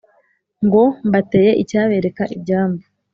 ngo : mbateye icyabereka ibyambu